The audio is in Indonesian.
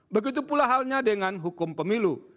begitu pula halnya dengan hukum pemilu